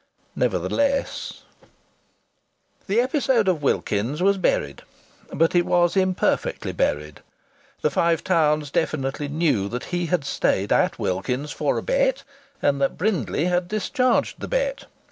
Nevertheless ...! The episode of Wilkins's was buried, but it was imperfectly buried. The Five Towns definitely knew that he had stayed at Wilkins's for a bet, and that Brindley had discharged the bet.